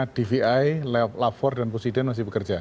pdi lav empat dan pusiden masih bekerja